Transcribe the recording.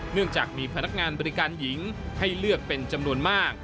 เนื่องจากมีพนักงานบริการหญิงให้เลือกเป็นจำนวนมาก